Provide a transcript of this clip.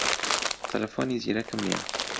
تەلەفۆنی زیرەکم نییە.